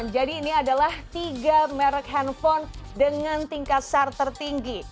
jadi ini adalah tiga merek handphone dengan tingkat sar tertinggi